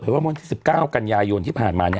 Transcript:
เผยว่าเมื่อ๒๐๑๙กันยายุนที่ผ่านมา